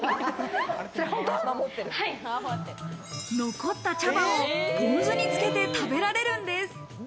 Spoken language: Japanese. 残った茶葉をポン酢につけて食べられるんです。